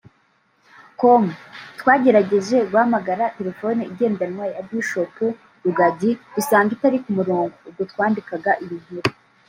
com twagerageje kuhamagara terefone igendanwa ya Bishop Rugagi dusanga itari ku murongo ubwo twandikaga iyi nkuru